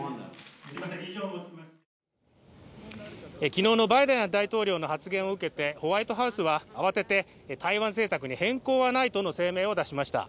昨日のバイデン大統領の発言を受けてホワイトハウスは慌てて台湾政策に変更はないとの声明を出しました。